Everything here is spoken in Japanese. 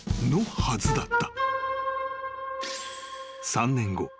［３年後。